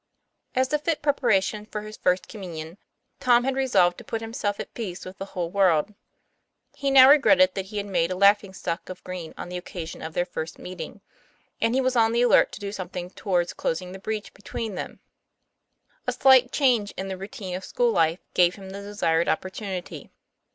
As a fit preparation for his First Communion, Tom had resolved to put himself at peace with the whole world. He now regretted that he had made a laughing stock of Green on the occasion of their first meeting; and he was on the alert to do some thing towards closing the breach between them. A slight change in the routine of school life gave him the desired opportunity.